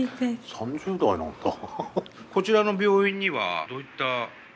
こちらの病院にはどういった？